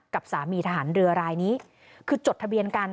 กับสามีทหารเรือรายนี้คือจดทะเบียนกัน